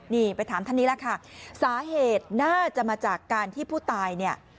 นี่ไปถามท่านนี้แหละค่ะสาเหตุน่าจะมาจากการที่ผู้ตายเนี่ย